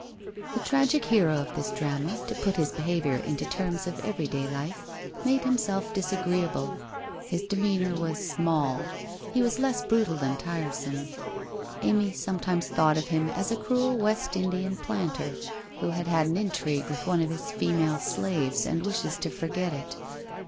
The tragic hero of this drama, to put his behaviour into terms of everyday life, made himself disagreeable. His demeanour was ' small.' He was less brutal than tiresome. Amy sometimes thought of him as a cruel West Indian planter, who has had an intrigue with one of his female slaves and wishes to forget it.